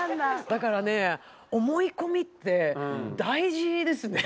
だからね思い込みって大事ですね。